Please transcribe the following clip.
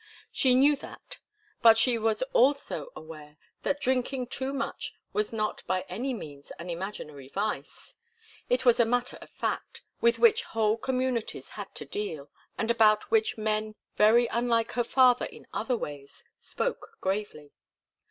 She knew that. But she was also aware that drinking too much was not by any means an imaginary vice. It was a matter of fact, with which whole communities had to deal, and about which men very unlike her father in other ways spoke gravely.